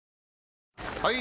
・はい！